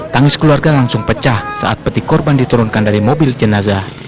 tangis keluarga langsung pecah saat peti korban diturunkan dari mobil jenazah